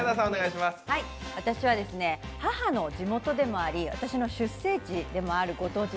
私は母の地元でもあり私の出生地でもあるご当地